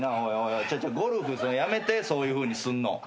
ゴルフやめてそういうふうにすんの。